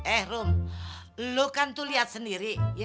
eh ruh lu kan tuh liat sendiri